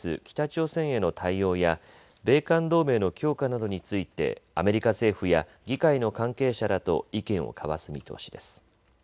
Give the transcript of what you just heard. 北朝鮮への対応や米韓同盟の強化などについてアメリカ政府や議会の関係者らと意見を交わす見通しです。